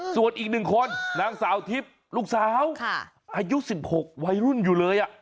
ส่วนอีก๑คนนางสาวทิพย์ลูกสาวอายุ๑๖วัยรุ่นอยู่เลย